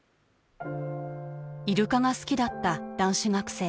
イルカが好きだった男子学生。